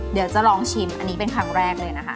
เดี๋ยวจะลองชิมอันนี้เป็นครั้งแรกเลยนะคะ